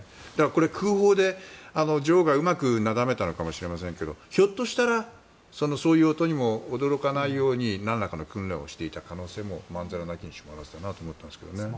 これ、空砲で女王がうまくなだめたのかもしれませんけどひょっとしたらそういう音にも驚かないように何らかの訓練をしていた可能性もなきにしもあらずかなと思ったんですけどね。